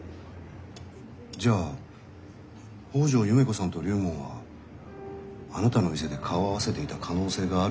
じゃあ北條夢子さんと龍門はあなたの店で顔を合わせていた可能性があるってことですね？